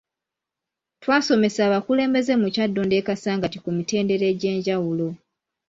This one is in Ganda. Twasomesa abakulembeze mu kyaddondo e Kasangati ku mitendera egy’enjawulo.